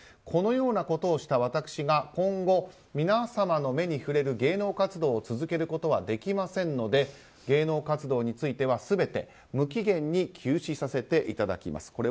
このようなことをした私が今後、皆様の目に触れる芸能活動を続けることはできませんので芸能活動については、全て無期限に休止させていただきます。